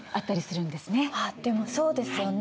あっでもそうですよね。